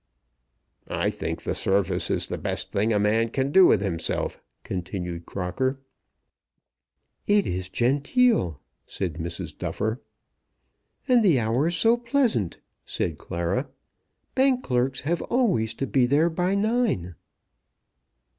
"I think the Service is the best thing a man can do with himself," continued Crocker. "It is genteel," said Mrs. Duffer. "And the hours so pleasant," said Clara. "Bank clerks have always to be there by nine."